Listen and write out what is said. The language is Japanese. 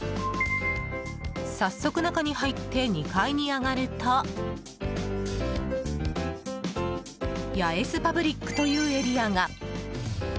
早速、中に入って２階に上がるとヤエスパブリックというエリアが。